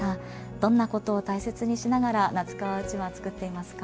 どんなことを大切にしながら撫川うちわ作っていますか？